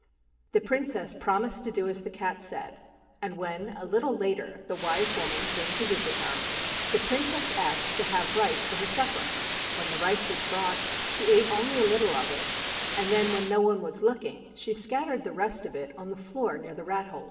The Princess promised to do as the cat said, and when, a little later, the wise woman came to visit her, the Princess asked to have rice for her supper. When the rice was brought she ate only a little of it, and then, when no one was looking, she scattered the rest of it on the floor near the rat holes.